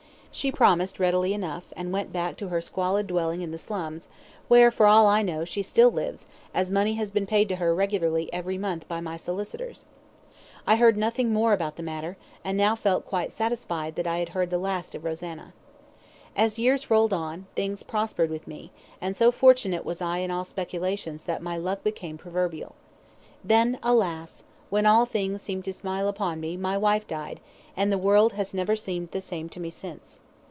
She promised readily enough, and went back to her squalid dwelling in the slums, where, for all I know, she still lives, as money has been paid to her regularly every month by my solicitors. I heard nothing more about the matter, and now felt quite satisfied that I had heard the last of Rosanna. As years rolled on, things prospered with me, and so fortunate was I in all speculations that my luck became proverbial. Then, alas! when all things seemed to smile upon me, my wife died, and the world has never seemed the same to me since.